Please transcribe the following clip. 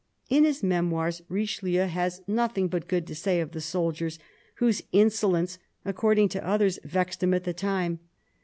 In his Memoirs Richelieu has nothing but good to say of the soldiers, whose insolence, according to others, vexed him at the time.